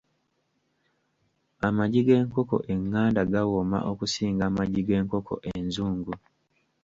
Amagi g'enkoko enganda gawooma okusinga amagi g'enkoko enzungu.